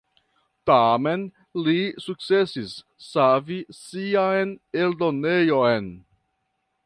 Tamen li sukcesis savi sian eldonejon.